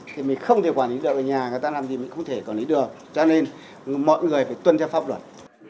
thì mình không thể quản lý được nhà người ta làm gì mình không thể quản lý được cho nên mọi người phải tuân theo pháp luật